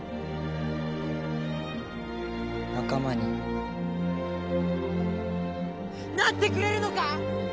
仲間になってくれるのか！？